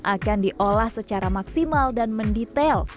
akan diolah secara maksimal dan mendetail